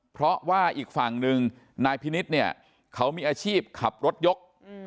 เพราะว่าอีกฝั่งหนึ่งนายพินิษฐ์เนี่ยเขามีอาชีพขับรถยก